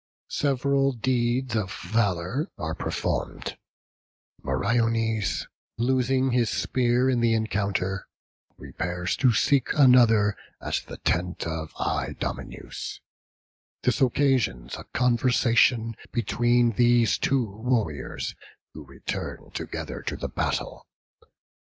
Several deeds of valour are performed; Meriones, losing his spear in the encounter, repairs to seek another at the tent of Idomeneus; this occasions a conversation between these two warriors, who return together to the battle.